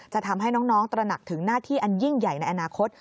จะทำให้น้องตระหนักถึงหน้าที่อันยิ่งใหญ่ในอนาคต